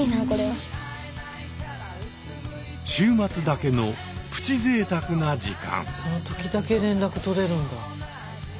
週末だけの「プチぜいたく」な時間。